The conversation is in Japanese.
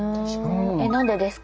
え何でですか？